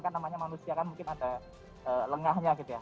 kan namanya manusia kan mungkin ada lengahnya gitu ya